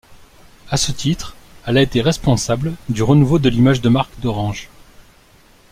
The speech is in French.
À ce titre, elle a été responsable du renouveau de l'image de marque d'Orange.